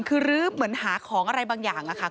คือรื้อเหมือนหาของอะไรบางอย่างค่ะ